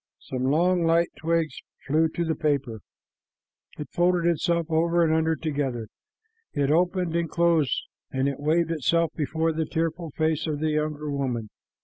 Some long, light twigs flew to the paper. It folded itself, over, under, together. It opened and closed, and it waved itself before the tearful face of the younger woman.